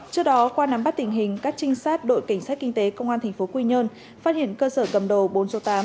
trước đó qua nắm bắt tình hình các trinh sát đội cảnh sát kinh tế công an tp quy nhơn phát hiện cơ sở cầm đồ bốn số tám